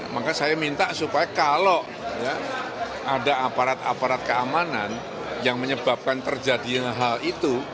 maka saya minta supaya kalau ada aparat aparat keamanan yang menyebabkan terjadinya hal itu